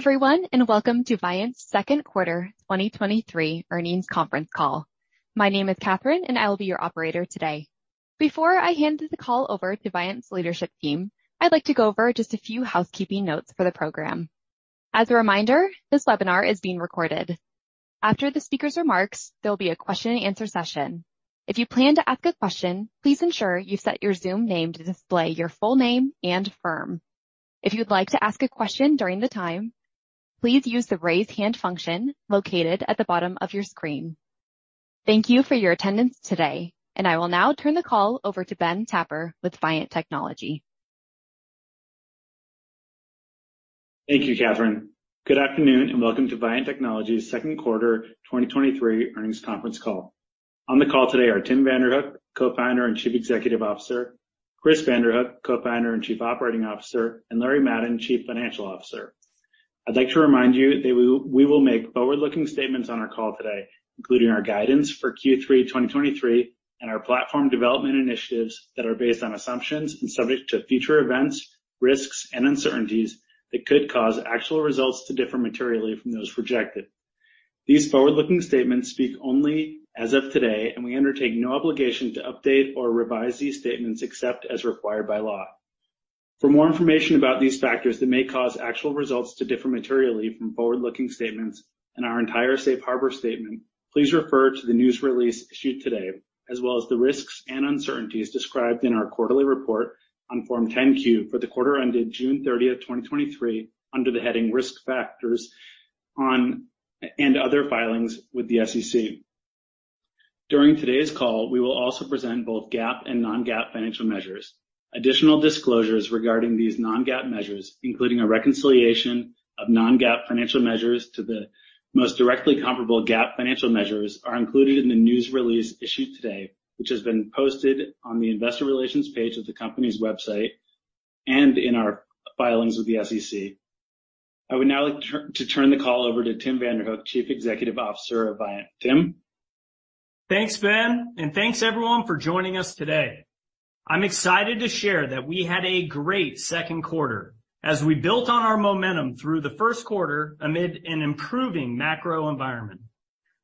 Hello, everyone, and welcome to Viant's second quarter 2023 earnings conference call. My name is Catherine, and I will be your operator today. Before I hand the call over to Viant's leadership team, I'd like to go over just a few housekeeping notes for the program. As a reminder, this webinar is being recorded. After the speaker's remarks, there'll be a question and answer session. If you plan to ask a question, please ensure you set your Zoom name to display your full name and firm. If you'd like to ask a question during the time, please use the Raise Hand function located at the bottom of your screen. Thank you for your attendance today, I will now turn the call over to Ben Tapper with Viant Technology. Thank you, Catherine. Good afternoon, welcome to Viant Technology's second quarter 2023 earnings conference call. On the call today are Tim Vanderhook, Co-founder and Chief Executive Officer, Chris Vanderhook, Co-founder and Chief Operating Officer, and Larry Madden, Chief Financial Officer. I'd like to remind you that we will make forward-looking statements on our call today, including our guidance for Q3 2023 and our platform development initiatives that are based on assumptions and subject to future events, risks, and uncertainties that could cause actual results to differ materially from those projected. These forward-looking statements speak only as of today, and we undertake no obligation to update or revise these statements except as required by law. For more information about these factors that may cause actual results to differ materially from forward-looking statements and our entire safe harbor statement, please refer to the news release issued today, as well as the risks and uncertainties described in our quarterly report on Form 10-Q for the quarter ended June 30, 2023, under the heading Risk Factors on... and other filings with the SEC. During today's call, we will also present both GAAP and non-GAAP financial measures. Additional disclosures regarding these non-GAAP measures, including a reconciliation of non-GAAP financial measures to the most directly comparable GAAP financial measures, are included in the news release issued today, which has been posted on the investor relations page of the company's website and in our filings with the SEC. I would now like to turn the call over to Tim Vanderhook, Chief Executive Officer of Viant. Tim? Thanks, Ben, and thanks everyone for joining us today. I'm excited to share that we had a great second quarter as we built on our momentum through the first quarter amid an improving macro environment.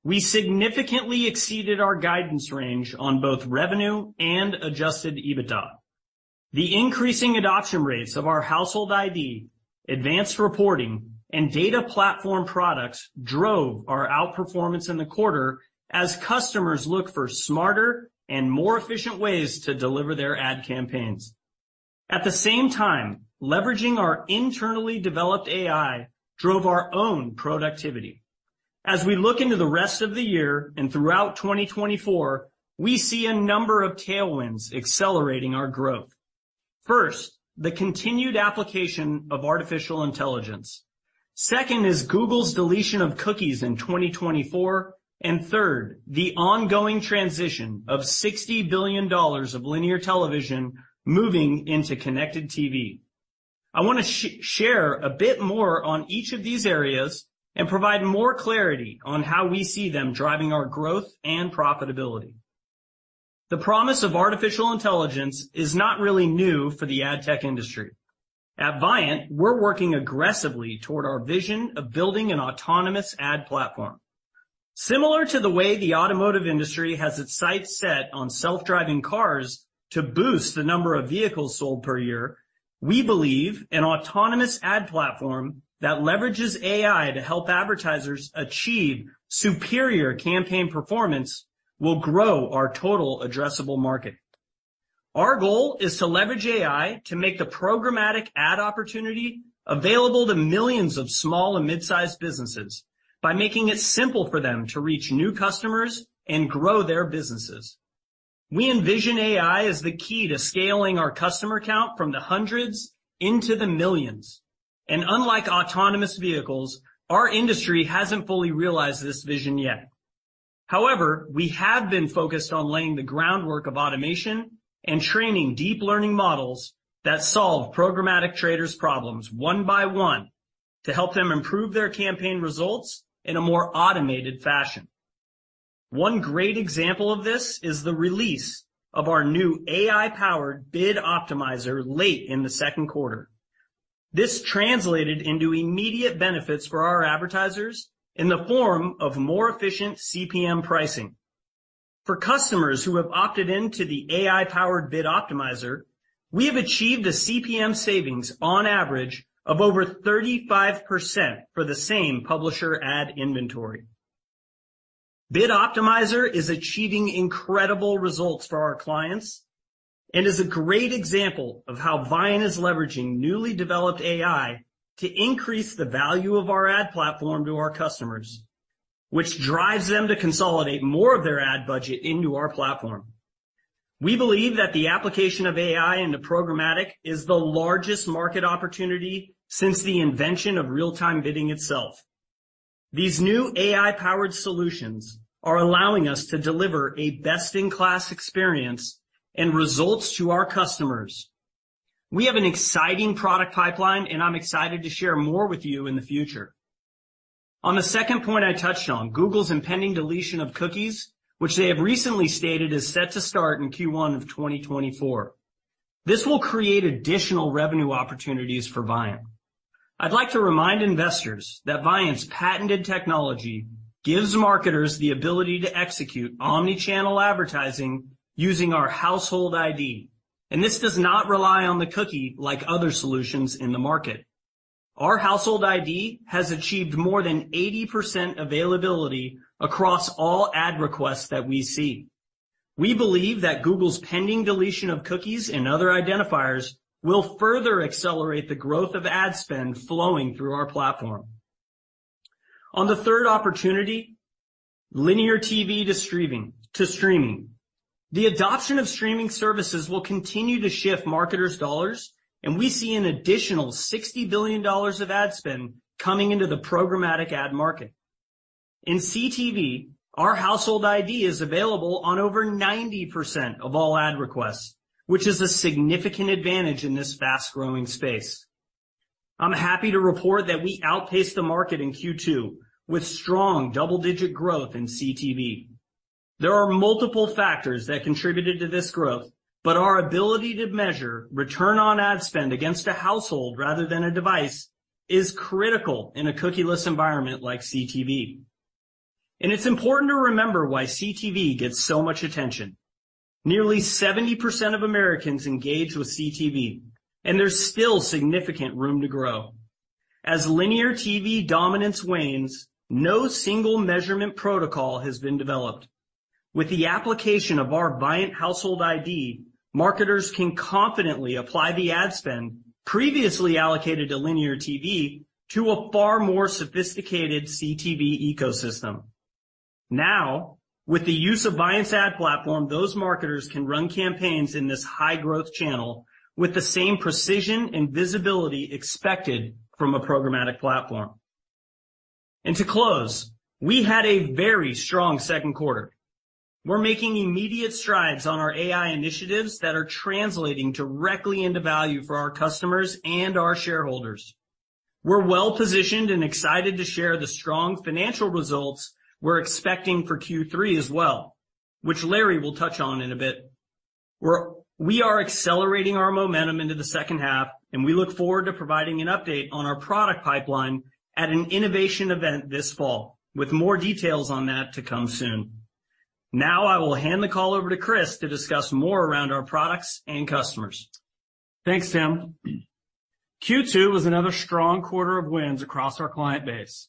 We significantly exceeded our guidance range on both revenue and adjusted EBITDA. The increasing adoption rates of our Household ID, advanced reporting, and Data Platform products drove our outperformance in the quarter as customers look for smarter and more efficient ways to deliver their ad campaigns. At the same time, leveraging our internally developed AI drove our own productivity. As we look into the rest of the year and throughout 2024, we see a number of tailwinds accelerating our growth. First, the continued application of artificial intelligence. Second is Google's deletion of cookies in 2024, and third, the ongoing transition of $60 billion of linear television moving into connected TV. I want to share a bit more on each of these areas and provide more clarity on how we see them driving our growth and profitability. The promise of artificial intelligence is not really new for the ad tech industry. At Viant, we're working aggressively toward our vision of building an autonomous ad platform. Similar to the way the automotive industry has its sights set on self-driving cars to boost the number of vehicles sold per year, we believe an autonomous ad platform that leverages AI to help advertisers achieve superior campaign performance will grow our total addressable market. Our goal is to leverage AI to make the programmatic ad opportunity available to millions of small and mid-sized businesses by making it simple for them to reach new customers and grow their businesses. We envision AI as the key to scaling our customer count from the hundreds into the millions, and unlike autonomous vehicles, our industry hasn't fully realized this vision yet. However, we have been focused on laying the groundwork of automation and training deep learning models that solve programmatic traders' problems one by one, to help them improve their campaign results in a more automated fashion. One great example of this is the release of our new AI-powered Bid Optimizer late in the second quarter. This translated into immediate benefits for our advertisers in the form of more efficient CPM pricing. For customers who have opted into the AI-powered Bid Optimizer, we have achieved a CPM savings on average of over 35% for the same publisher ad inventory. Bid Optimizer is achieving incredible results for our clients and is a great example of how Viant is leveraging newly developed AI to increase the value of our ad platform to our customers, which drives them to consolidate more of their ad budget into our platform. We believe that the application of AI into programmatic is the largest market opportunity since the invention of real-time bidding itself. These new AI-powered solutions are allowing us to deliver a best-in-class experience and results to our customers. We have an exciting product pipeline, and I'm excited to share more with you in the future. On the second point I touched on, Google's impending deletion of cookies, which they have recently stated is set to start in Q1 of 2024. This will create additional revenue opportunities for Viant. I'd like to remind investors that Viant's patented technology gives marketers the ability to execute omni-channel advertising using our Household ID, and this does not rely on the cookie like other solutions in the market. Our Household ID has achieved more than 80% availability across all ad requests that we see. We believe that Google's pending deletion of cookies and other identifiers will further accelerate the growth of ad spend flowing through our platform. On the third opportunity, linear TV to streaming. The adoption of streaming services will continue to shift marketers' dollars, and we see an additional $60 billion of ad spend coming into the programmatic ad market. In CTV, our Household ID is available on over 90% of all ad requests, which is a significant advantage in this fast-growing space. I'm happy to report that we outpaced the market in Q2 with strong double-digit growth in CTV. There are multiple factors that contributed to this growth, but our ability to measure return on ad spend against a household rather than a device is critical in a cookieless environment like CTV. It's important to remember why CTV gets so much attention. Nearly 70% of Americans engage with CTV, and there's still significant room to grow. As linear TV dominance wanes, no single measurement protocol has been developed. With the application of our Viant Household ID, marketers can confidently apply the ad spend previously allocated to linear TV to a far more sophisticated CTV ecosystem. With the use of Viant's ad platform, those marketers can run campaigns in this high-growth channel with the same precision and visibility expected from a programmatic platform. To close, we had a very strong second quarter. We're making immediate strides on our AI initiatives that are translating directly into value for our customers and our shareholders. We're well positioned and excited to share the strong financial results we're expecting for Q3 as well, which Larry will touch on in a bit. We are accelerating our momentum into the second half, and we look forward to providing an update on our product pipeline at an innovation event this fall, with more details on that to come soon. Now I will hand the call over to Chris to discuss more around our products and customers. Thanks, Tim. Q2 was another strong quarter of wins across our client base,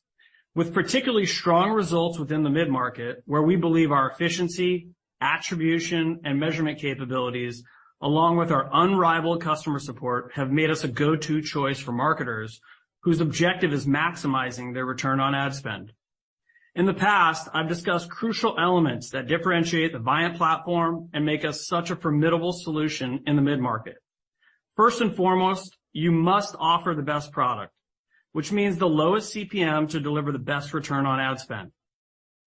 with particularly strong results within the mid-market, where we believe our efficiency, attribution, and measurement capabilities, along with our unrivaled customer support, have made us a go-to choice for marketers whose objective is maximizing their return on ad spend. In the past, I've discussed crucial elements that differentiate the Viant platform and make us such a formidable solution in the mid-market. First and foremost, you must offer the best product, which means the lowest CPM to deliver the best return on ad spend.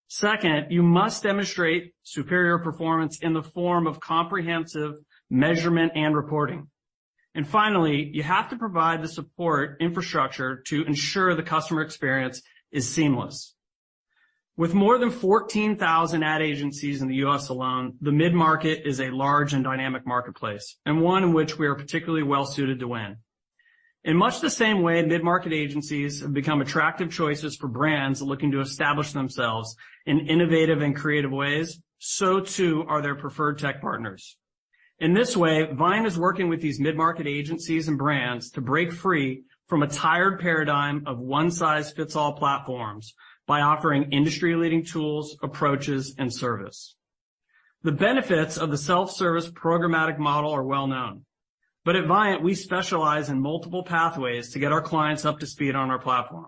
Second, you must demonstrate superior performance in the form of comprehensive measurement and reporting. Finally, you have to provide the support infrastructure to ensure the customer experience is seamless. With more than 14,000 ad agencies in the U.S. alone, the mid-market is a large and dynamic marketplace and one in which we are particularly well suited to win. In much the same way mid-market agencies have become attractive choices for brands looking to establish themselves in innovative and creative ways, so too are their preferred tech partners. In this way, Viant is working with these mid-market agencies and brands to break free from a tired paradigm of one-size-fits-all platforms by offering industry-leading tools, approaches, and service. The benefits of the self-service programmatic model are well known. At Viant, we specialize in multiple pathways to get our clients up to speed on our platform.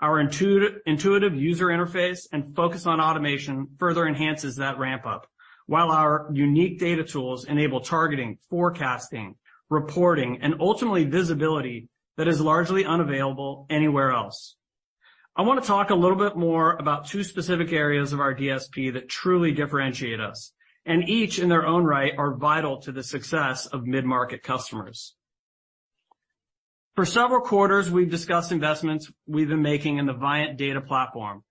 Our intuitive user interface and focus on automation further enhances that ramp-up, while our unique data tools enable targeting, forecasting, reporting, and ultimately visibility that is largely unavailable anywhere else. I want to talk a little bit more about two specific areas of our DSP that truly differentiate us. Each, in their own right, are vital to the success of mid-market customers. For several quarters, we've discussed investments we've been making in the Viant Data Platform.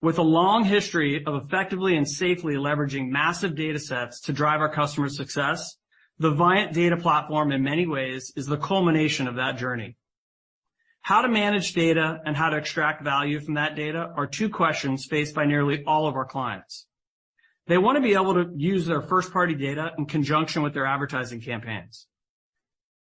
With a long history of effectively and safely leveraging massive data sets to drive our customers' success, the Viant Data Platform, in many ways, is the culmination of that journey. How to manage data and how to extract value from that data are two questions faced by nearly all of our clients. They want to be able to use their first-party data in conjunction with their advertising campaigns.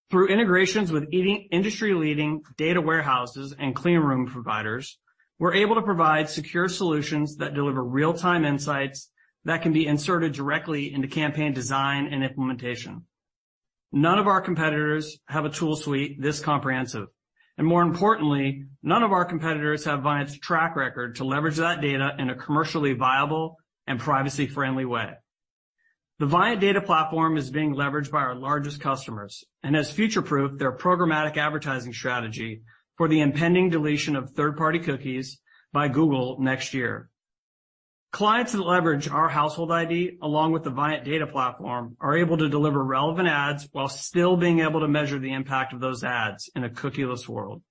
Through integrations with industry-leading data warehouses and clean room providers, we're able to provide secure solutions that deliver real-time insights that can be inserted directly into campaign design and implementation. None of our competitors have a tool suite this comprehensive, and more importantly, none of our competitors have Viant's track record to leverage that data in a commercially viable and privacy-friendly way. The Viant Data Platform is being leveraged by our largest customers and has future-proofed their programmatic advertising strategy for the impending deletion of third-party cookies by Google next year. Clients that leverage our Household ID along with the Viant Data Platform are able to deliver relevant ads while still being able to measure the impact of those ads in a cookie-less world.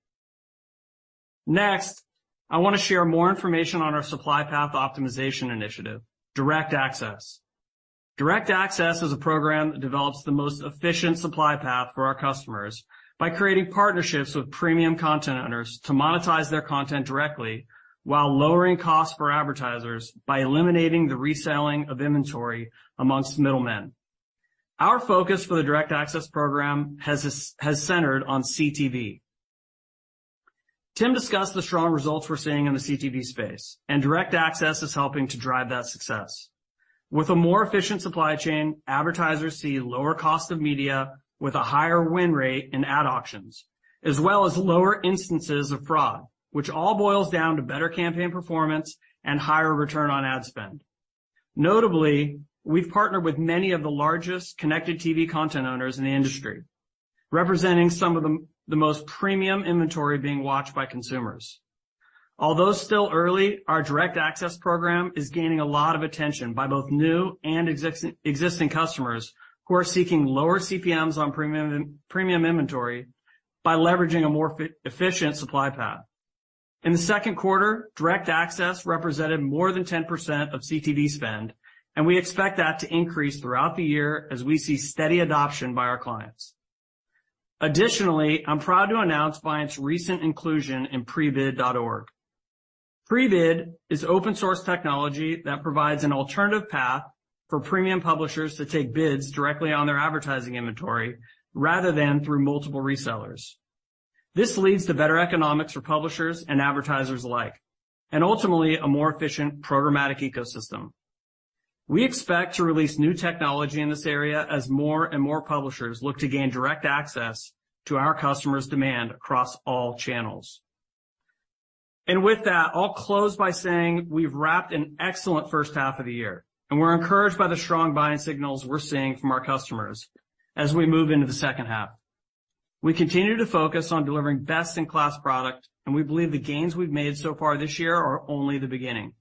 Next, I want to share more information on our supply path optimization initiative, Direct Access. Direct Access is a program that develops the most efficient supply path for our customers by creating partnerships with premium content owners to monetize their content directly, while lowering costs for advertisers by eliminating the reselling of inventory amongst middlemen. Our focus for the Direct Access program has centered on CTV. Tim discussed the strong results we're seeing in the CTV space, Direct Access is helping to drive that success. With a more efficient supply chain, advertisers see lower cost of media with a higher win rate in ad auctions, as well as lower instances of fraud, which all boils down to better campaign performance and higher return on ad spend. Notably, we've partnered with many of the largest connected TV content owners in the industry, representing some of the most premium inventory being watched by consumers. Although still early, our Direct Access program is gaining a lot of attention by both new and existing customers who are seeking lower CPMs on premium, premium inventory by leveraging a more efficient supply path. In the second quarter, Direct Access represented more than 10% of CTV spend, and we expect that to increase throughout the year as we see steady adoption by our clients. Additionally, I'm proud to announce Viant's recent inclusion in Prebid.org. Prebid is open source technology that provides an alternative path for premium publishers to take bids directly on their advertising inventory rather than through multiple resellers. This leads to better economics for publishers and advertisers alike, and ultimately a more efficient programmatic ecosystem. We expect to release new technology in this area as more and more publishers look to gain direct access to our customers' demand across all channels. With that, I'll close by saying we've wrapped an excellent first half of the year, and we're encouraged by the strong buying signals we're seeing from our customers as we move into the second half. We continue to focus on delivering best-in-class product, and we believe the gains we've made so far this year are only the beginning.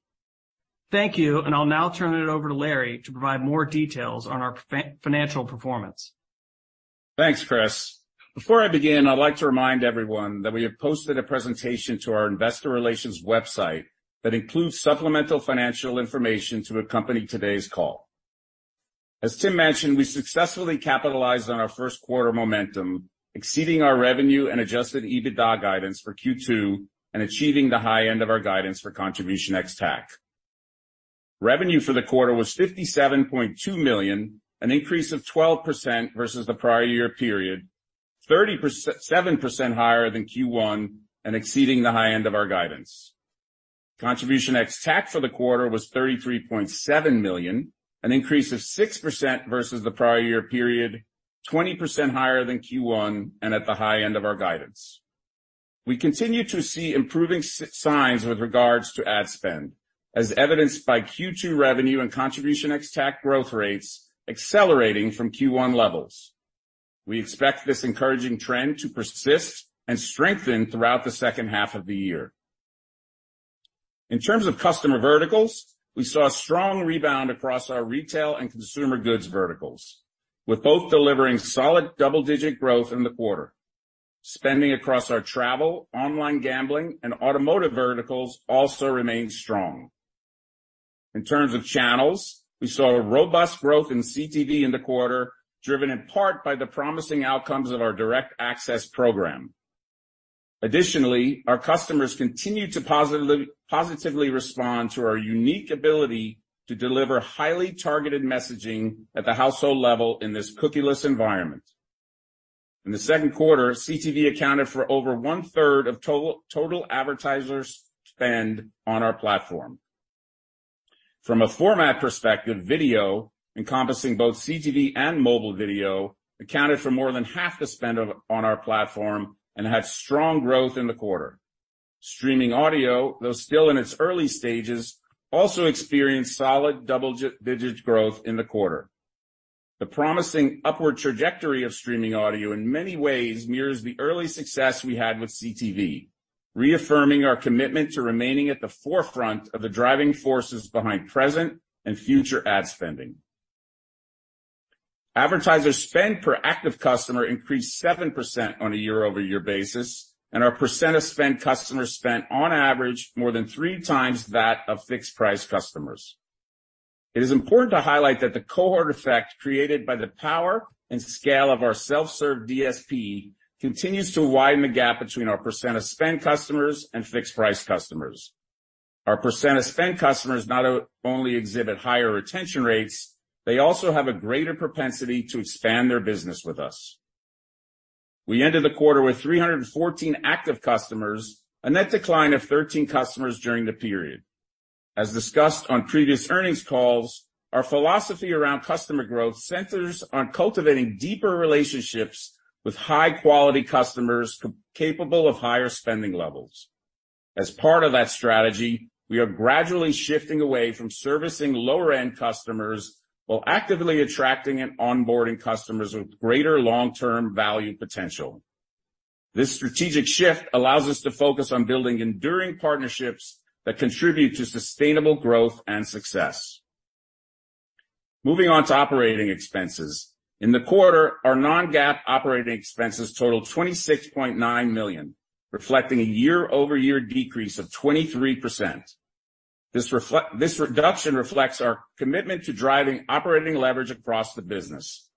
Thank you, and I'll now turn it over to Larry to provide more details on our financial performance. Thanks, Chris. Before I begin, I'd like to remind everyone that we have posted a presentation to our investor relations website that includes supplemental financial information to accompany today's call. As Tim mentioned, we successfully capitalized on our first quarter momentum, exceeding our revenue and adjusted EBITDA guidance for Q2 and achieving the high end of our guidance for contribution ex-TAC. Revenue for the quarter was $57.2 million, an increase of 12% versus the prior year period, 37% higher than Q1, and exceeding the high end of our guidance. Contribution ex-TAC for the quarter was $33.7 million, an increase of 6% versus the prior year period, 20% higher than Q1, and at the high end of our guidance. We continue to see improving signs with regards to ad spend, as evidenced by Q2 revenue and contribution ex-TAC growth rates accelerating from Q1 levels. We expect this encouraging trend to persist and strengthen throughout the second half of the year. In terms of customer verticals, we saw a strong rebound across our retail and consumer goods verticals, with both delivering solid double-digit growth in the quarter. Spending across our travel, online gambling, and automotive verticals also remained strong. In terms of channels, we saw a robust growth in CTV in the quarter, driven in part by the promising outcomes of our Direct Access program. Additionally, our customers continued to positively respond to our unique ability to deliver highly targeted messaging at the household level in this cookieless environment. In the second quarter, CTV accounted for over 1/3 of total advertisers' spend on our platform. From a format perspective, video, encompassing both CTV and mobile video, accounted for more than half the spend on our platform and had strong growth in the quarter. Streaming audio, though still in its early stages, also experienced solid double-digits growth in the quarter. The promising upward trajectory of streaming audio in many ways mirrors the early success we had with CTV, reaffirming our commitment to remaining at the forefront of the driving forces behind present and future ad spending. Advertiser spend per active customer increased 7% on a year-over-year basis, and our percent-of-spend customers spent on average more than three times that of fixed-price customers. It is important to highlight that the cohort effect created by the power and scale of our self-serve DSP continues to widen the gap between our percent-of-spend customers and fixed-price customers. Our percentage of spend customers not only exhibit higher retention rates, they also have a greater propensity to expand their business with us. We ended the quarter with 314 active customers, a net decline of 13 customers during the period. As discussed on previous earnings calls, our philosophy around customer growth centers on cultivating deeper relationships with high-quality customers capable of higher spending levels. As part of that strategy, we are gradually shifting away from servicing lower-end customers while actively attracting and onboarding customers with greater long-term value potential. This strategic shift allows us to focus on building enduring partnerships that contribute to sustainable growth and success. Moving on to operating expenses. In the quarter, our non-GAAP operating expenses totaled $26.9 million, reflecting a year-over-year decrease of 23%. This reduction reflects our commitment to driving operating leverage across the business.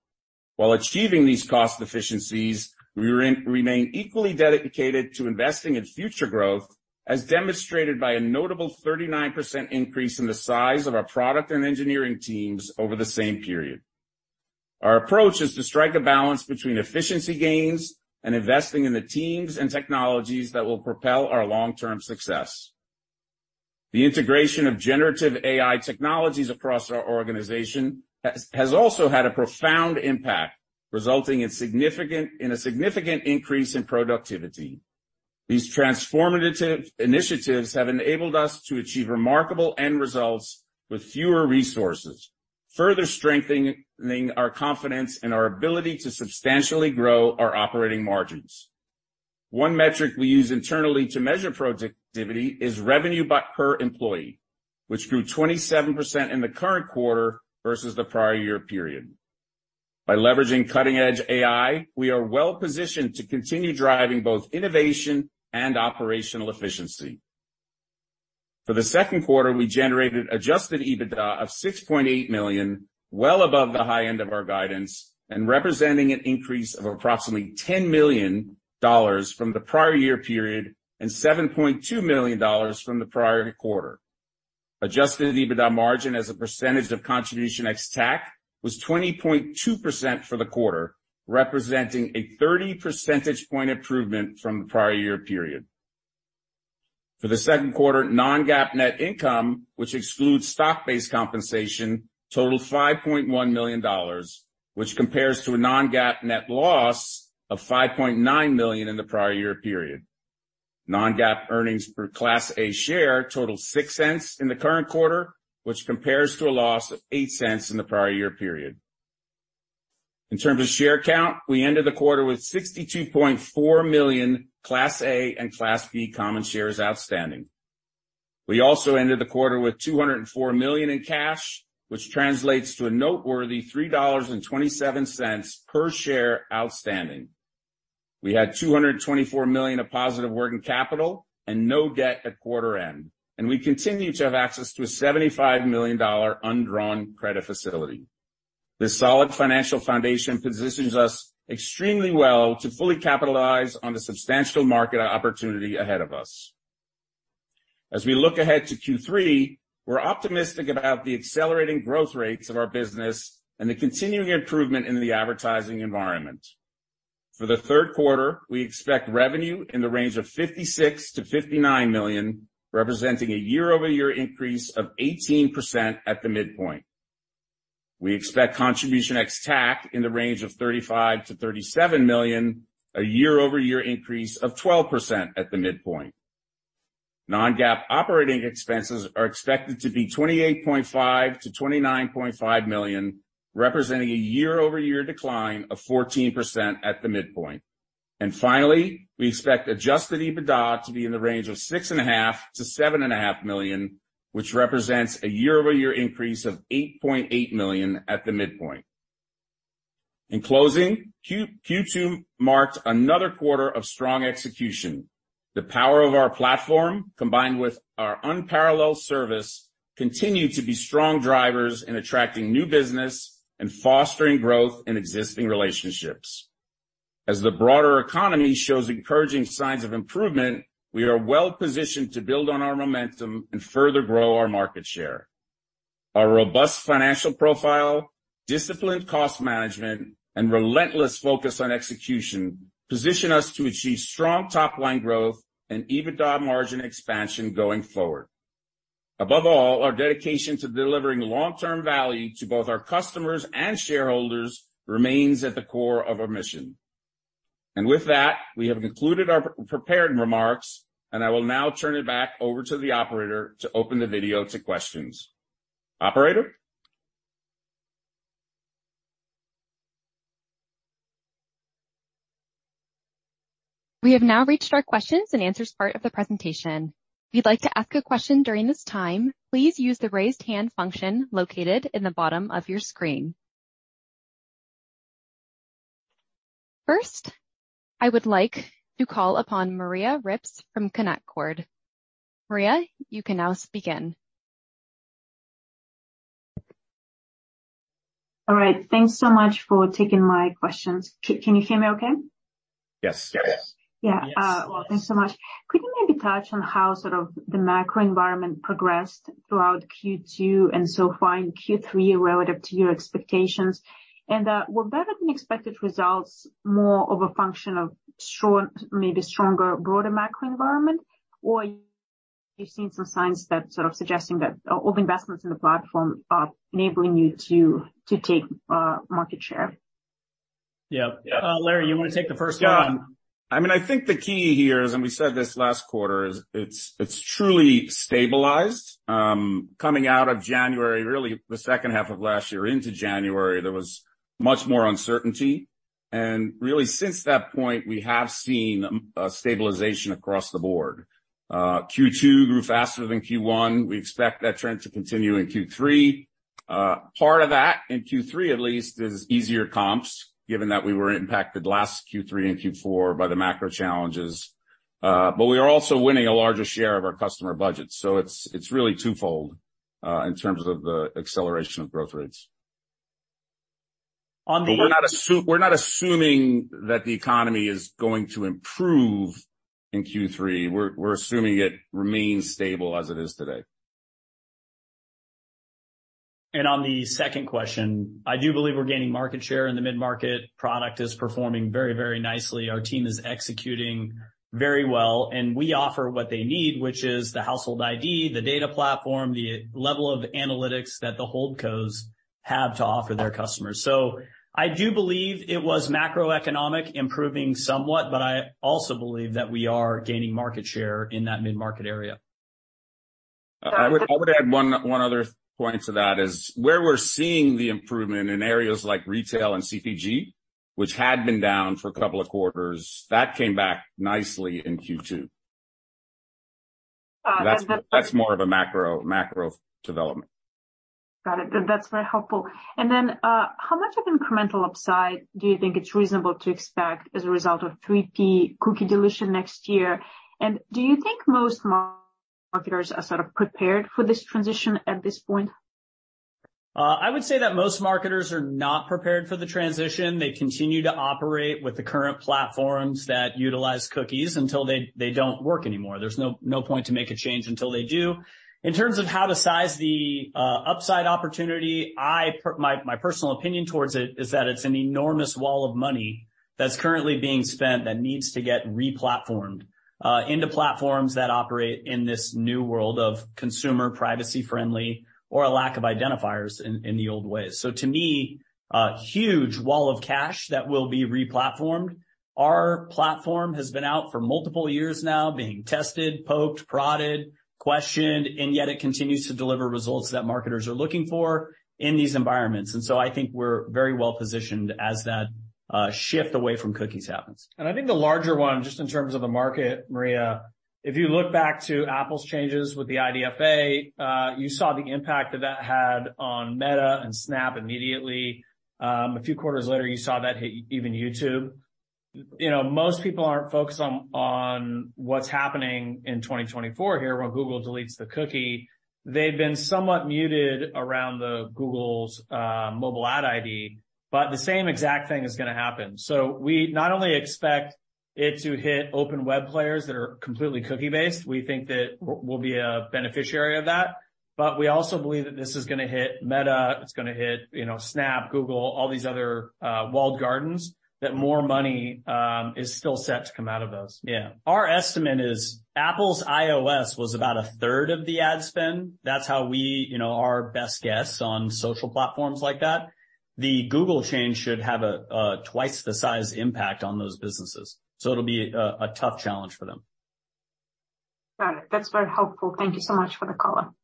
While achieving these cost efficiencies, we remain equally dedicated to investing in future growth, as demonstrated by a notable 39% increase in the size of our product and engineering teams over the same period. Our approach is to strike a balance between efficiency gains and investing in the teams and technologies that will propel our long-term success. The integration of generative AI technologies across our organization has also had a profound impact, resulting in a significant increase in productivity. These transformative initiatives have enabled us to achieve remarkable end results with fewer resources, further strengthening our confidence in our ability to substantially grow our operating margins. One metric we use internally to measure productivity is revenue by per employee, which grew 27% in the current quarter versus the prior year period. By leveraging cutting-edge AI, we are well positioned to continue driving both innovation and operational efficiency. For the second quarter, we generated adjusted EBITDA of $6.8 million, well above the high end of our guidance, and representing an increase of approximately $10 million from the prior year period, and $7.2 million from the prior quarter. Adjusted EBITDA margin as a percentage of contribution ex-TAC was 20.2% for the quarter, representing a 30 percentage point improvement from the prior year period. For the second quarter, non-GAAP net income, which excludes stock-based compensation, totaled $5.1 million, which compares to a non-GAAP net loss of $5.9 million in the prior year period. Non-GAAP earnings per Class A share totaled $0.06 in the current quarter, which compares to a loss of $0.08 in the prior year period. In terms of share count, we ended the quarter with 62.4 million Class A and Class B common shares outstanding. We also ended the quarter with $204 million in cash, which translates to a noteworthy $3.27 per share outstanding. We had $224 million of positive working capital and no debt at quarter end, we continue to have access to a $75 million undrawn credit facility. This solid financial foundation positions us extremely well to fully capitalize on the substantial market opportunity ahead of us. As we look ahead to Q3, we're optimistic about the accelerating growth rates of our business and the continuing improvement in the advertising environment. For the third quarter, we expect revenue in the range of $56 million-$59 million, representing a year-over-year increase of 18% at the midpoint. We expect contribution ex-TAC in the range of $35 million-$37 million, a year-over-year increase of 12% at the midpoint. non-GAAP operating expenses are expected to be $28.5 million-$29.5 million, representing a year-over-year decline of 14% at the midpoint. Finally, we expect adjusted EBITDA to be in the range of $6.5 million-$7.5 million, which represents a year-over-year increase of $8.8 million at the midpoint. In closing, Q2 marked another quarter of strong execution. The power of our platform, combined with our unparalleled service, continued to be strong drivers in attracting new business and fostering growth in existing relationships. As the broader economy shows encouraging signs of improvement, we are well positioned to build on our momentum and further grow our market share. Our robust financial profile, disciplined cost management, and relentless focus on execution position us to achieve strong top line growth and EBITDA margin expansion going forward. Above all, our dedication to delivering long-term value to both our customers and shareholders remains at the core of our mission. With that, we have concluded our prepared remarks, and I will now turn it back over to the operator to open the video to questions. Operator? We have now reached our questions and answers part of the presentation. If you'd like to ask a question during this time, please use the Raise Hand function located in the bottom of your screen. First, I would like to call upon Maria Ripps from Canaccord. Maria, you can now speak in. All right. Thanks so much for taking my questions. Can you hear me okay? Yes. Yes. Yeah, well, thanks so much. Could you maybe touch on how sort of the macro environment progressed throughout Q2 and so far in Q3 relative to your expectations? Were better-than-expected results more of a function of strong, maybe stronger, broader macro environment, or you've seen some signs that sort of suggesting that of investments in the platform are enabling you to, to take market share? Yeah. Larry, you want to take the first one? Yeah. I mean, I think the key here is, and we said this last quarter, is it's, it's truly stabilized. Coming out of January, really the second half of last year into January, there was much more uncertainty. Really, since that point, we have seen a stabilization across the board. Q2 grew faster than Q1. We expect that trend to continue in Q3. Part of that, in Q3 at least, is easier comps, given that we were impacted last Q3 and Q4 by the macro challenges. We are also winning a larger share of our customer budget. It's, it's really twofold in terms of the acceleration of growth rates. We're not assuming that the economy is going to improve in Q3. We're, we're assuming it remains stable as it is today. On the second question, I do believe we're gaining market share in the mid-market. Product is performing very, very nicely. Our team is executing very well, and we offer what they need, which is the Household ID, the data platform, the level of analytics that the holdcos have to offer their customers. I do believe it was macroeconomic improving somewhat, but I also believe that we are gaining market share in that mid-market area. I would, I would add one, one other point to that, is where we're seeing the improvement in areas like retail and CPG, which had been down for a couple of quarters, that came back nicely in Q2. That's more of a macro, macro development. Got it. That's very helpful. Then, how much of incremental upside do you think it's reasonable to expect as a result of third‑party cookie deletion next year? Do you think most marketers are sort of prepared for this transition at this point? I would say that most marketers are not prepared for the transition. They continue to operate with the current platforms that utilize cookies until they, they don't work anymore. There's no, no point to make a change until they do. In terms of how to size the upside opportunity, my personal opinion towards it is that it's an enormous wall of money that's currently being spent that needs to get replatformed into platforms that operate in this new world of consumer privacy-friendly or a lack of identifiers in, in the old ways. To me, a huge wall of cash that will be replatformed. Our platform has been out for multiple years now, being tested, poked, prodded, questioned, and yet it continues to deliver results that marketers are looking for in these environments. I think we're very well positioned as that shift away from cookies happens. I think the larger one, just in terms of the market, Maria, if you look back to Apple's changes with the IDFA, you saw the impact that that had on Meta and Snap immediately. A few quarters later, you saw that hit even YouTube. You know, most people aren't focused on what's happening in 2024 here, when Google deletes the cookie. They've been somewhat muted around the Google's mobile ad ID, but the same exact thing is gonna happen. We not only expect it to hit open web players that are completely cookie-based, we think that we'll be a beneficiary of that, but we also believe that this is gonna hit Meta, it's gonna hit, you know, Snap, Google, all these other walled gardens, that more money is still set to come out of those. Yeah. Our estimate is Apple's iOS was about a third of the ad spend. That's how we you know, our best guess on social platforms like that. The Google change should have a twice the size impact on those businesses, so it'll be a tough challenge for them. Got it. That's very helpful. Thank you so much for the call.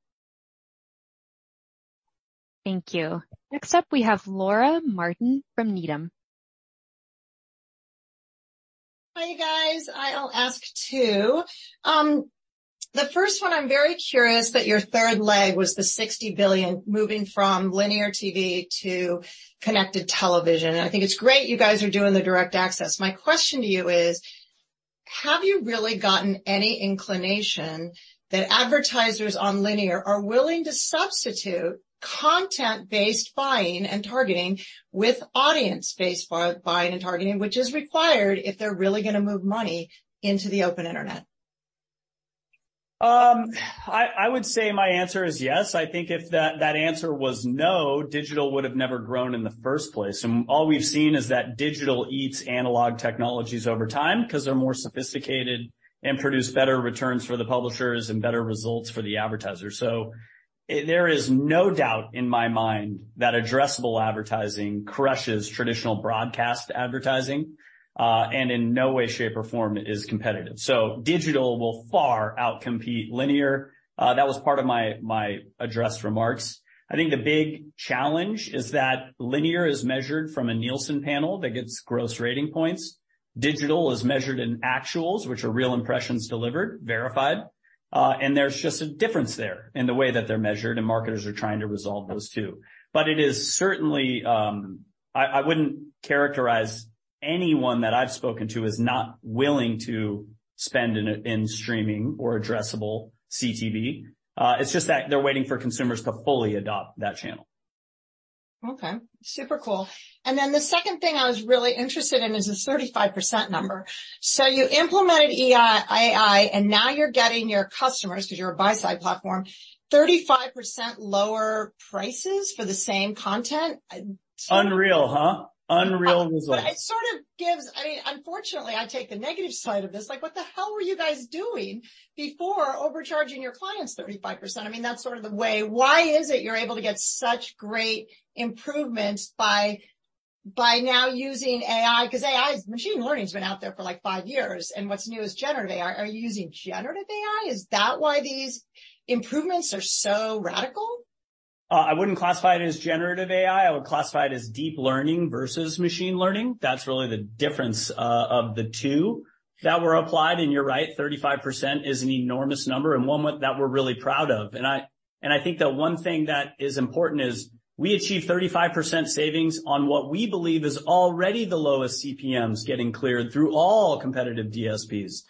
Thank you. Next up, we have Laura Martin from Needham. Hi, guys. I'll ask two. The first one, I'm very curious that your third leg was the $60 billion, moving from linear TV to connected television, and I think it's great you guys are doing the Direct Access. My question to you is: Have you really gotten any inclination that advertisers on linear are willing to substitute content-based buying and targeting with audience-based buying and targeting, which is required if they're really gonna move money into the open internet? I would say my answer is yes. I think if that, that answer was no, digital would have never grown in the first place. And all we've seen is that digital eats analog technologies over time, 'cause they're more sophisticated and produce better returns for the publishers and better results for the advertisers. So there is no doubt in my mind that addressable advertising crushes traditional broadcast advertising, and in no way, shape, or form is competitive. So digital will far outcompete linear. That was part of my, my address remarks. I think the big challenge is that linear is measured from a Nielsen panel that gets gross rating points. Digital is measured in actuals, which are real impressions delivered, verified, and there's just a difference there in the way that they're measured, and marketers are trying to resolve those two. It is certainly, I wouldn't characterize anyone that I've spoken to as not willing to spend in, in streaming or addressable CTV. It's just that they're waiting for consumers to fully adopt that channel. Okay, super cool. Then the second thing I was really interested in is this 35% number. You implemented AI, and now you're getting your customers, because you're a buy-side platform, 35% lower prices for the same content? Unreal, huh? Unreal results. It sort of gives. I mean, unfortunately, I take the negative side of this. Like, what the hell were you guys doing before overcharging your clients 35%? I mean, that's sort of the way. Why is it you're able to get such great improvements by, by now using AI? Because AI, machine learning's been out there for, like, five years, and what's new is generative AI. Are you using generative AI? Is that why these improvements are so radical? I wouldn't classify it as generative AI. I would classify it as deep learning versus machine learning. That's really the difference of the two that were applied, and you're right, 35% is an enormous number and one that we're really proud of. I think that one thing that is important is we achieved 35% savings on what we believe is already the lowest CPMs getting cleared through all competitive DSPs.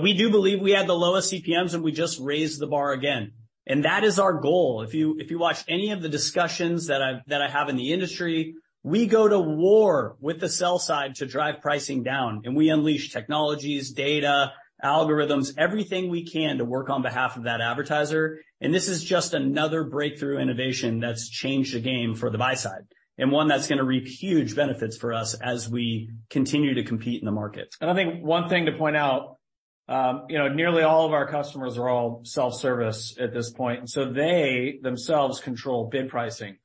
We do believe we had the lowest CPMs, and we just raised the bar again, and that is our goal. If you, if you watch any of the discussions that I have in the industry, we go to war with the sell side to drive pricing down, and we unleash technologies, data, algorithms, everything we can to work on behalf of that advertiser. This is just another breakthrough innovation that's changed the game for the buy side, and one that's gonna reap huge benefits for us as we continue to compete in the market. I think one thing to point out, you know, nearly all of our customers are all self-service at this point, and so they themselves control bid pricing.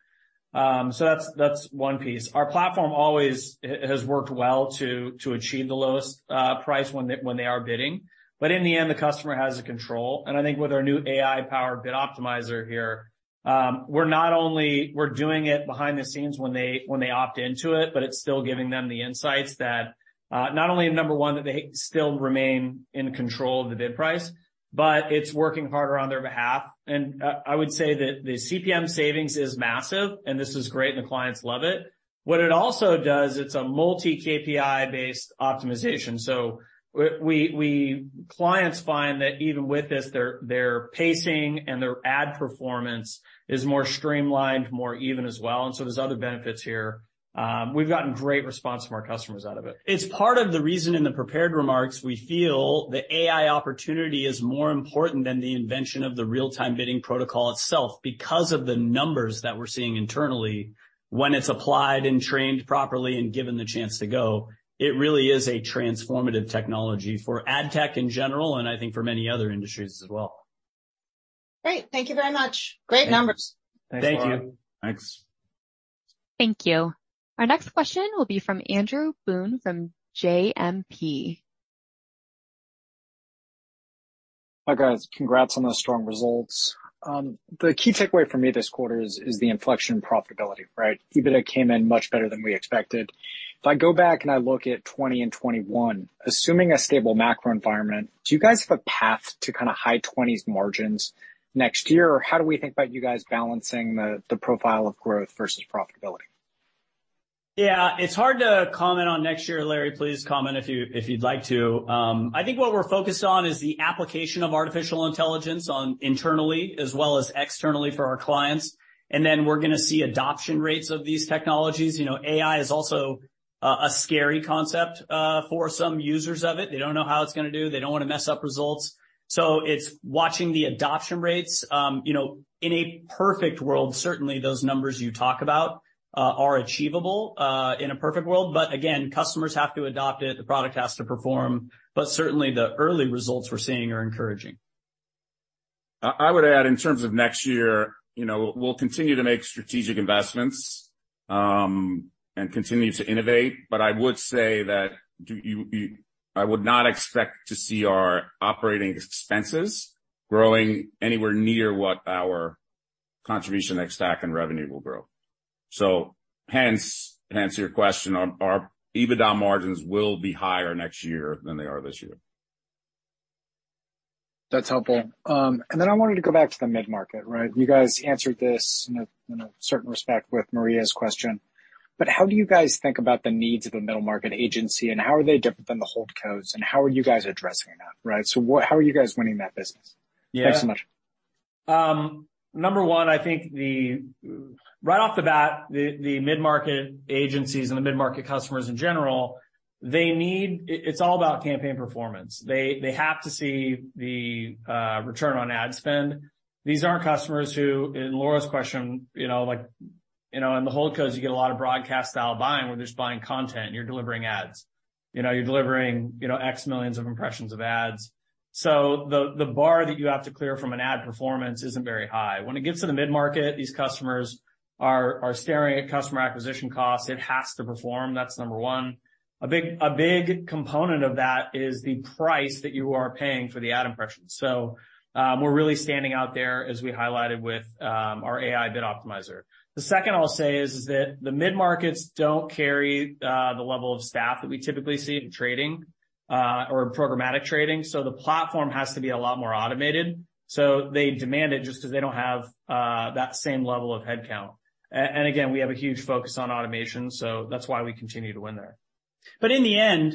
That's, that's one piece. Our platform always has worked well to, to achieve the lowest price when they, when they are bidding. In the end, the customer has the control, and I think with our new AI Bid Optimizer here, we're not only we're doing it behind the scenes when they, when they opt into it, but it's still giving them the insights that not only, number one, that they still remain in control of the bid price, but it's working harder on their behalf. I would say that the CPM savings is massive, and this is great, and the clients love it. What it also does, it's a multi-KPI-based optimization. We, clients find that even with this, their pacing and their ad performance is more streamlined, more even as well, and so there's other benefits here. We've gotten great response from our customers out of it. It's part of the reason in the prepared remarks, we feel the AI opportunity is more important than the invention of the real-time bidding protocol itself, because of the numbers that we're seeing internally when it's applied and trained properly and given the chance to go. It really is a transformative technology for ad tech in general, and I think for many other industries as well. Great. Thank you very much. Great numbers. Thank you. Thanks, Laura. Thanks. Thank you. Our next question will be from Andrew Boone, from JMP. Hi, guys. Congrats on those strong results. The key takeaway for me this quarter is the inflection in profitability, right? EBITDA came in much better than we expected. If I go back and I look at 2020 and 2021, assuming a stable macro environment, do you guys have a path to kind of high 20s margins next year? How do we think about you guys balancing the profile of growth versus profitability? Yeah, it's hard to comment on next year. Larry, please comment if you, if you'd like to. I think what we're focused on is the application of artificial intelligence on internally as well as externally for our clients, then we're gonna see adoption rates of these technologies. You know, AI is also a, a scary concept for some users of it. They don't know how it's gonna do. They don't want to mess up results. It's watching the adoption rates. You know, in a perfect world, certainly those numbers you talk about are achievable in a perfect world. Again, customers have to adopt it, the product has to perform, but certainly, the early results we're seeing are encouraging. I would add, in terms of next year, you know, we'll continue to make strategic investments, and continue to innovate, but I would say that I would not expect to see our operating expenses growing anywhere near what our contribution ex-TAC and revenue will grow. Hence, to answer your question, our, our EBITDA margins will be higher next year than they are this year. That's helpful. Then I wanted to go back to the mid-market, right? You guys answered this in a, in a certain respect with Maria's question, but how do you guys think about the needs of a middle-market agency, and how are they different than the holdcos, and how are you guys addressing that, right? How are you guys winning that business? Yeah. Thanks so much. Number one, I think the, right off the bat, the, the mid-market agencies and the mid-market customers in general, they need... It, it's all about campaign performance. They, they have to see the return on ad spend. These aren't customers who, in Laura Martin's question, you know, like, you know, in the holdcos, you get a lot of broadcast-style buying, where they're just buying content, and you're delivering ads. You know, you're delivering, you know, X millions of impressions of ads. The, the bar that you have to clear from an ad performance isn't very high. When it gets to the mid-market, these customers are, are staring at customer acquisition costs. It has to perform. That's number one. A big, a big component of that is the price that you are paying for the ad impressions. We're really standing out there, as we highlighted with our AI Bid Optimizer. The second I'll say is, is that the mid-markets don't carry the level of staff that we typically see in trading or in programmatic trading, so the platform has to be a lot more automated. They demand it just because they don't have that same level of headcount. Again, we have a huge focus on automation, that's why we continue to win there. In the end,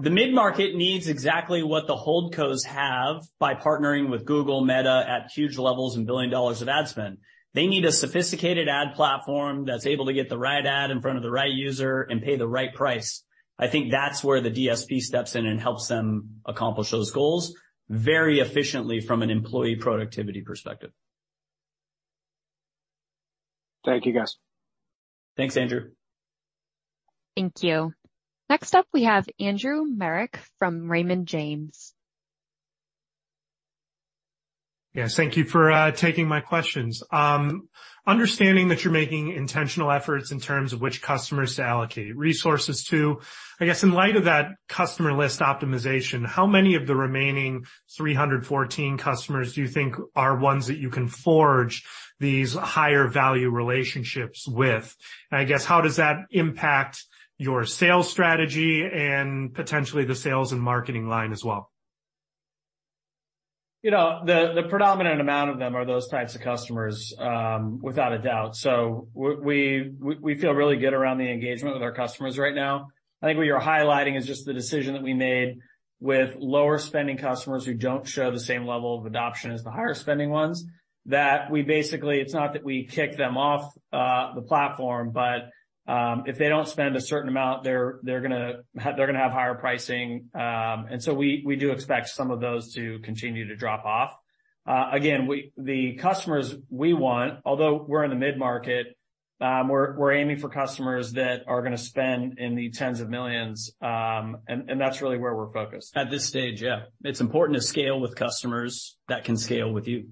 the mid-market needs exactly what the holdcos have by partnering with Google, Meta at huge levels and billion dollars of ad spend. They need a sophisticated ad platform that's able to get the right ad in front of the right user and pay the right price. I think that's where the DSP steps in and helps them accomplish those goals very efficiently from an employee productivity perspective. Thank you, guys. Thanks, Andrew. Thank you. Next up, we have Andrew Marok from Raymond James. Yes, thank you for taking my questions. Understanding that you're making intentional efforts in terms of which customers to allocate resources to, I guess, in light of that customer list optimization, how many of the remaining 314 customers do you think are ones that you can forge these higher value relationships with? I guess, how does that impact your sales strategy and potentially the sales and marketing line as well? You know, the, the predominant amount of them are those types of customers, without a doubt. We, we feel really good around the engagement with our customers right now. I think what you're highlighting is just the decision that we made with lower spending customers who don't show the same level of adoption as the higher spending ones, that we basically, it's not that we kick them off, the platform, but, if they don't spend a certain amount, they're, they're gonna have higher pricing. We, we do expect some of those to continue to drop off. Again, the customers we want, although we're in the mid-market, we're, we're aiming for customers that are gonna spend in the tens of millions. That's really where we're focused. At this stage, yeah. It's important to scale with customers that can scale with you.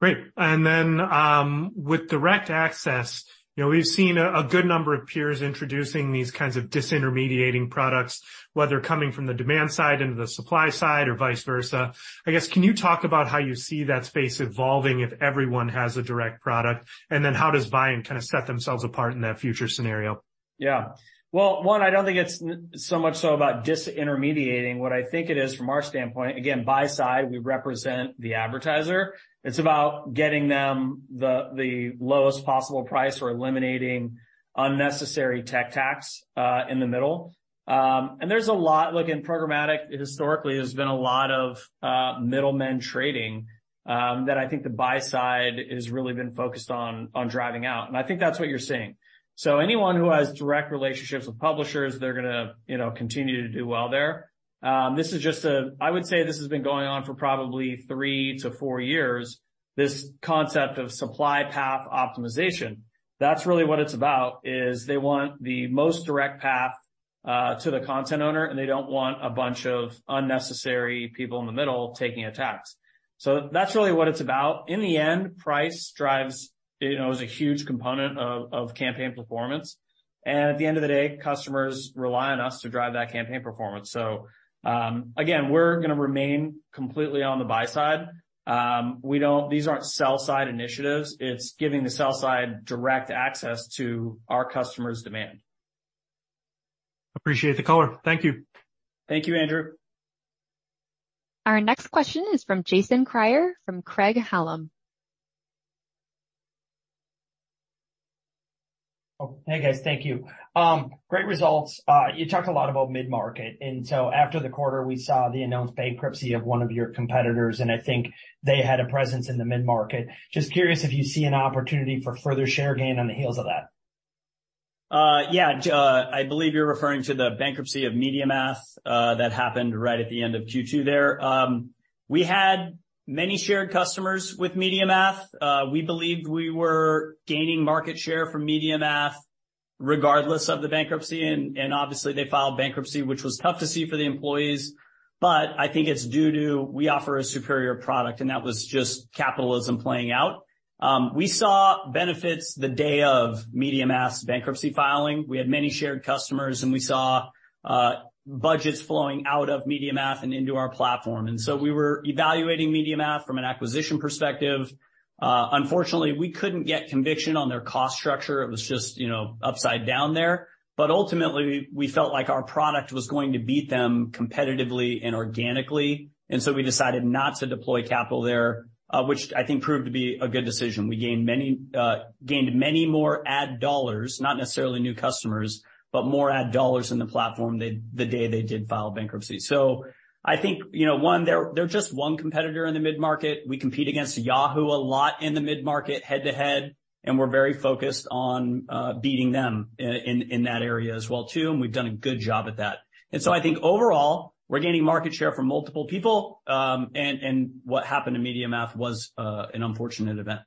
Great. Then, with Direct Access, you know, we've seen a, a good number of peers introducing these kinds of disintermediating products, whether coming from the demand side into the supply side or vice versa. I guess, can you talk about how you see that space evolving if everyone has a direct product, and then how does Viant kind of set themselves apart in that future scenario? Yeah. Well, one, I don't think it's so much so about disintermediating. What I think it is from our standpoint, again, buy side, we represent the advertiser. It's about getting them the lowest possible price or eliminating unnecessary tech tax in the middle. There's a lot. Look, in programmatic, historically, there's been a lot of middlemen trading that I think the buy side has really been focused on, on driving out, and I think that's what you're seeing. Anyone who has direct relationships with publishers, they're gonna, you know, continue to do well there. This is just I would say this has been going on for probably three to four years, this concept of supply path optimization. That's really what it's about, is they want the most direct path to the content owner, and they don't want a bunch of unnecessary people in the middle taking a tax. That's really what it's about. In the end, price drives, you know, is a huge component of, of campaign performance, and at the end of the day, customers rely on us to drive that campaign performance. Again, we're gonna remain completely on the buy side. These aren't sell side initiatives. It's giving the sell side direct access to our customers' demand. Appreciate the color. Thank you. Thank you, Andrew. Our next question is from Jason Kreyer, from Craig-Hallum. Hey, guys. Thank you. great results. you talked a lot about mid-market. After the quarter, we saw the announced bankruptcy of one of your competitors. I think they had a presence in the mid-market. Just curious if you see an opportunity for further share gain on the heels of that. Yeah, I believe you're referring to the bankruptcy of MediaMath that happened right at the end of Q2 there. We had many shared customers with MediaMath. We believed we were gaining market share from MediaMath regardless of the bankruptcy, obviously, they filed bankruptcy, which was tough to see for the employees, but I think it's due to we offer a superior product, and that was just capitalism playing out. We saw benefits the day of MediaMath's bankruptcy filing. We had many shared customers, we saw budgets flowing out of MediaMath and into our platform. We were evaluating MediaMath from an acquisition perspective. Unfortunately, we couldn't get conviction on their cost structure. It was just, you know, upside down there. Ultimately, we felt like our product was going to beat them competitively and organically, and so we decided not to deploy capital there, which I think proved to be a good decision. We gained many gained many more ad dollars, not necessarily new customers, but more ad dollars in the platform the day they did file bankruptcy. I think, you know, one, they're just one competitor in the mid-market. We compete against Yahoo a lot in the mid-market, head-to-head, and we're very focused on beating them in that area as well, too, and we've done a good job at that. I think overall, we're gaining market share from multiple people, and what happened to MediaMath was an unfortunate event.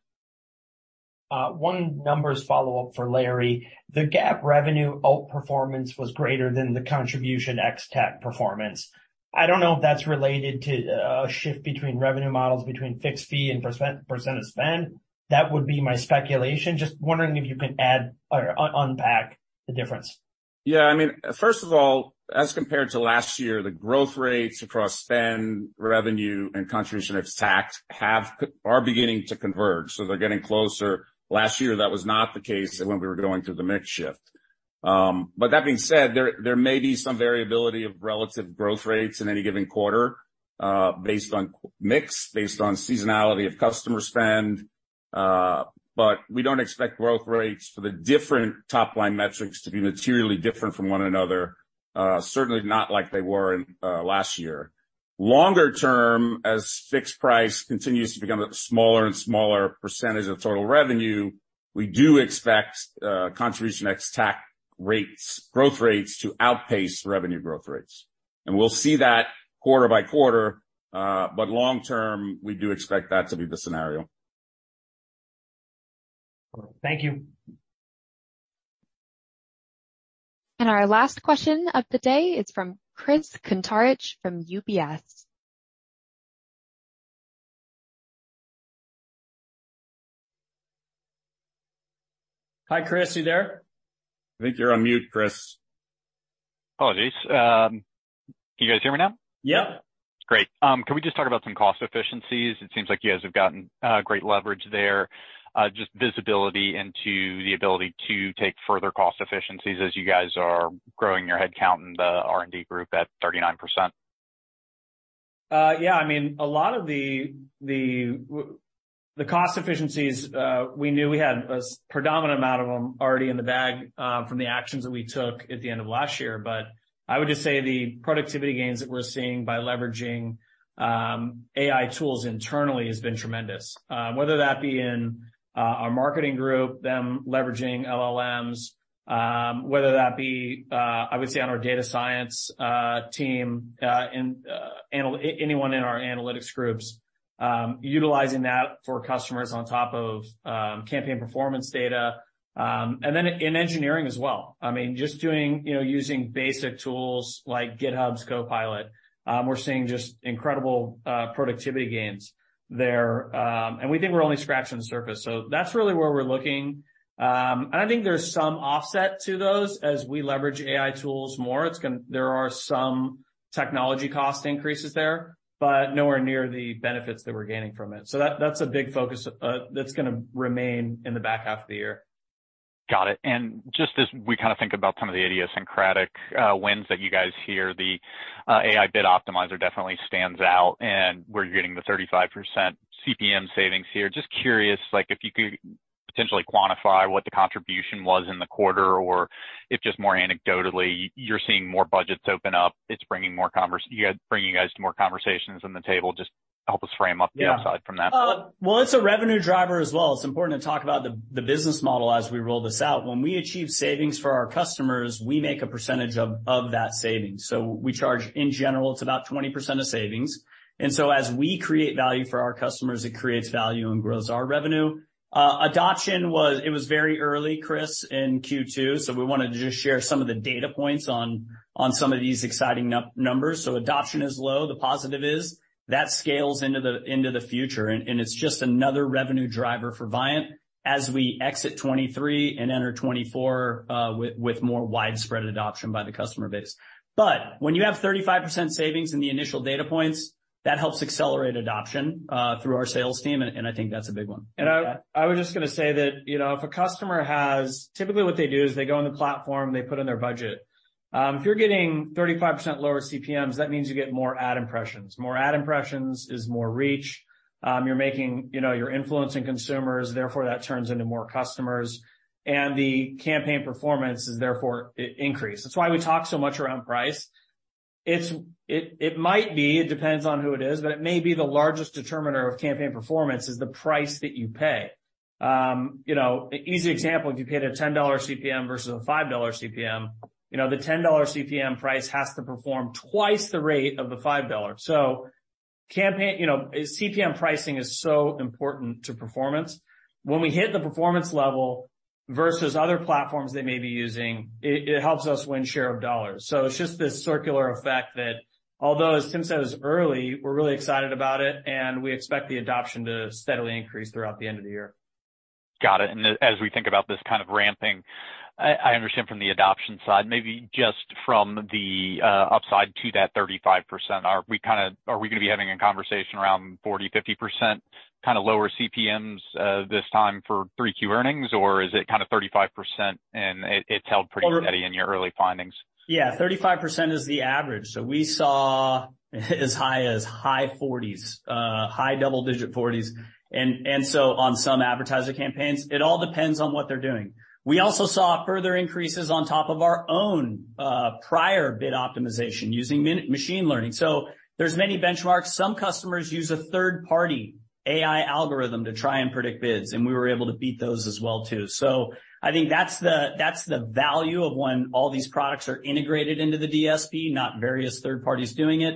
One numbers follow-up for Larry. The GAAP revenue outperformance was greater than the contribution ex-TAC performance. I don't know if that's related to a shift between revenue models, between fixed-price and percent of spend. That would be my speculation. Just wondering if you can add or unpack the difference. Yeah, I mean, first of all, as compared to last year, the growth rates across spend, revenue, and contribution ex-TAC have are beginning to converge, so they're getting closer. Last year, that was not the case when we were going through the mix shift. That being said, there, there may be some variability of relative growth rates in any given quarter, based on mix, based on seasonality of customer spend, but we don't expect growth rates for the different top-line metrics to be materially different from one another, certainly not like they were in, last year. Longer term, as fixed-price continues to become a smaller and smaller percentage of total revenue, we do expect, contribution ex-TAC rates, growth rates to outpace revenue growth rates. We'll see that quarter by quarter, but long term, we do expect that to be the scenario. Thank you. Our last question of the day is from Chris Kuntarich from UBS. Hi, Chris, you there? I think you're on mute, Chris. Apologies. Can you guys hear me now? Yep. Great. Can we just talk about some cost efficiencies? It seems like you guys have gotten great leverage there. Just visibility into the ability to take further cost efficiencies as you guys are growing your headcount in the R&D group at 39%. Yeah, I mean, a lot of the, the, w- the cost efficiencies, we knew we had a predominant amount of them already in the bag, from the actions that we took at the end of last year. I would just say the productivity gains that we're seeing by leveraging AI tools internally has been tremendous. Whether that be in our marketing group, them leveraging LLMs, whether that be, I would say, on our data science team, and anyone in our analytics groups, utilizing that for customers on top of campaign performance data, and then in engineering as well. I mean, just doing... You know, using basic tools like GitHub's Copilot, we're seeing just incredible productivity gains there. We think we're only scratching the surface. That's really where we're looking. I think there's some offset to those. As we leverage AI tools more, there are some technology cost increases there, but nowhere near the benefits that we're gaining from it. That, that's a big focus, that's gonna remain in the back half of the year. Got it. Just as we kind of think about some of the idiosyncratic wins that you guys hear, the AI Bid Optimizer definitely stands out, and where you're getting the 35% CPM savings here. Just curious, like, if you could potentially quantify what the contribution was in the quarter, or if just more anecdotally, you're seeing more budgets open up, it's bringing more bringing you guys to more conversations on the table. Just help us frame up the upside from that. Well, it's a revenue driver as well. It's important to talk about the business model as we roll this out. When we achieve savings for our customers, we make a percentage of that savings, so we charge. In general, it's about 20% of savings, and as we create value for our customers, it creates value and grows our revenue. Adoption was very early, Chris, in Q2, so we wanted to just share some of the data points on some of these exciting numbers. Adoption is low. The positive is that scales into the future, and it's just another revenue driver for Viant as we exit 2023 and enter 2024 with more widespread adoption by the customer base. When you have 35% savings in the initial data points, that helps accelerate adoption through our sales team, and, and I think that's a big one. I was just gonna say that, you know, if a customer has. Typically, what they do is they go on the platform, they put in their budget. If you're getting 35% lower CPMs, that means you get more ad impressions. More ad impressions is more reach. You know, you're influencing consumers, therefore, that turns into more customers, and the campaign performance is therefore increased. That's why we talk so much around price. It's, it might be, it depends on who it is, but it may be the largest determiner of campaign performance, is the price that you pay. You know, easy example, if you paid a $10 CPM versus a $5 CPM, you know, the $10 CPM price has to perform twice the rate of the $5. Campaign, you know, CPM pricing is so important to performance. When we hit the performance level versus other platforms they may be using, it helps us win share of dollars. It's just this circular effect that although, as Tim says, early, we're really excited about it, and we expect the adoption to steadily increase throughout the end of the year. Got it. As we think about this kind of ramping, I understand from the adoption side, maybe just from the upside to that 35%, are we gonna be having a conversation around 40%, 50%, kind of, lower CPMs, this time for 3Q earnings, or is it kind of 35%, and it, it's held pretty steady in your early findings? Yeah, 35% is the average. So we saw as high as high 40s, high double-digit 40s, and so on some advertiser campaigns, it all depends on what they're doing. We also saw further increases on top of our own prior bid optimization using machine learning. There's many benchmarks. Some customers use a third-party AI algorithm to try and predict bids, and we were able to beat those as well, too. I think that's the value of when all these products are integrated into the DSP, not various third parties doing it.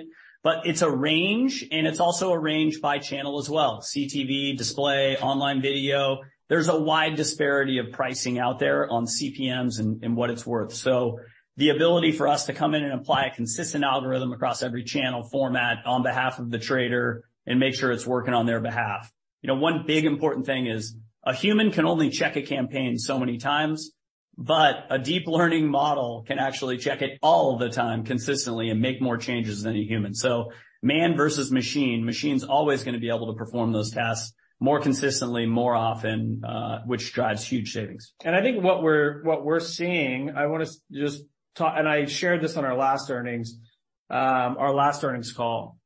It's a range, and it's also a range by channel as well, CTV, display, online video. There's a wide disparity of pricing out there on CPMs and, and what it's worth, so the ability for us to come in and apply a consistent algorithm across every channel format on behalf of the trader and make sure it's working on their behalf. You know, one big important thing is, a human can only check a campaign so many times, but a deep learning model can actually check it all the time consistently and make more changes than a human. Man versus machine, machine's always gonna be able to perform those tasks more consistently, more often, which drives huge savings. I think what we're, what we're seeing, I want to just talk. I shared this on our last earnings, our last earnings call.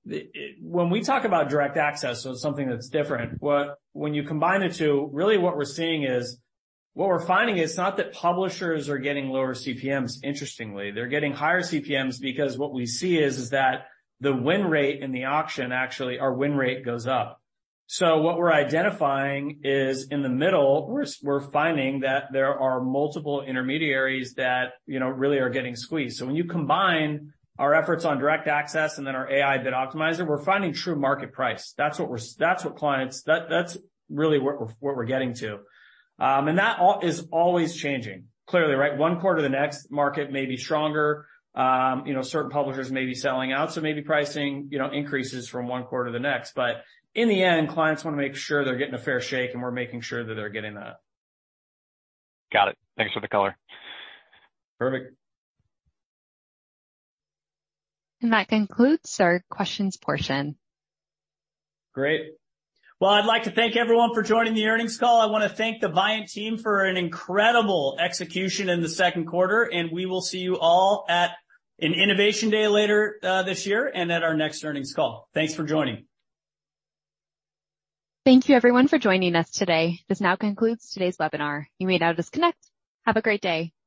When we talk about Direct Access, something that's different, when you combine the two, really what we're seeing is not that publishers are getting lower CPMs, interestingly. They're getting higher CPMs because what we see is, is that the win rate in the auction, actually, our win rate goes up. What we're identifying is in the middle, we're, we're finding that there are multiple intermediaries that, you know, really are getting squeezed. When you combine our efforts on Direct Access and then our AI Bid Optimizer, we're finding true market price. That's really what we're, what we're getting to. That is always changing, clearly, right? One quarter to the next market may be stronger. You know, certain publishers may be selling out, so maybe pricing, you know, increases from one quarter to the next. In the end, clients want to make sure they're getting a fair shake, and we're making sure that they're getting that. Got it. Thanks for the color. Perfect. That concludes our questions portion. Great. Well, I'd like to thank everyone for joining the earnings call. I want to thank the Viant team for an incredible execution in the second quarter, and we will see you all at an innovation day later, this year, and at our next earnings call. Thanks for joining. Thank you, everyone, for joining us today. This now concludes today's webinar. You may now disconnect. Have a great day.